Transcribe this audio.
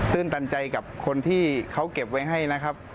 ื้นตันใจกับคนที่เขาเก็บไว้ให้นะครับ